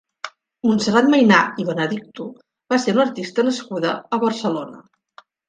Montserrat Mainar i Benedicto va ser una artista nascuda a Barcelona.